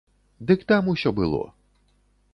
Дык там усё было.